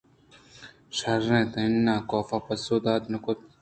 شرّ اِنت ناں؟ کاف ءَپسو دات نہ کُت